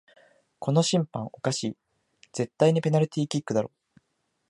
この審判おかしい、絶対にペナルティーキックだろ